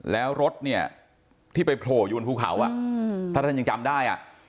แล้วรถเนี่ยที่ไปโผล่อยู่บนภูเขาถ้าท่านยังจำได้